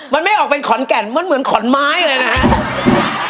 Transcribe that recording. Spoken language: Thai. มันไม่ออกเป็นขอนแก่นมันเหมือนขอนไม้เลยนะครับ